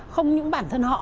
không những bản thân họ